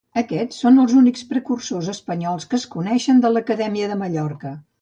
Aquests són els únics precursors espanyols que es coneixen de l'Acadèmia de Mallorca.